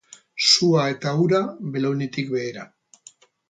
Sua eta ura belaunetik behera.